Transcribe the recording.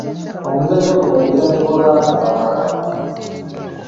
Omuzannyo guno guzannyibwa baana bawala.